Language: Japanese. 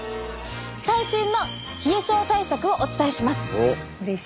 最新の冷え症対策をお伝えします。